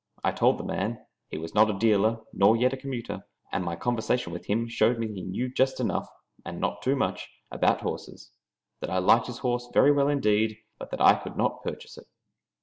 I told the man he was not a dealer nor yet a commuter, and my conversation with him showed me that he knew just enough, and not too much, about horses that I liked his horse very well indeed, but that I could not purchase it..